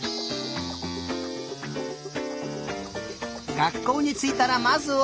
がっこうについたらまずは？